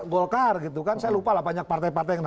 golkar gitu kan saya lupa lah banyak partai partai yang